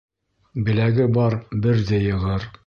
Беләге бар берҙе йығыр